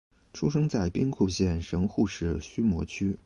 出生在兵库县神户市须磨区。